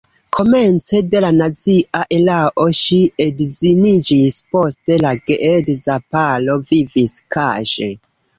Komence de la nazia erao ŝi edziniĝis, poste la geedza paro vivis kaŝe.